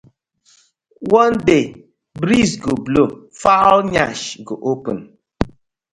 One day breeze go blow, fowl yansh go open: